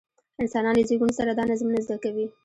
انسانان له زېږون سره دا نظمونه زده کوي.